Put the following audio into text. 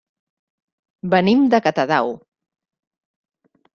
Venim de Catadau.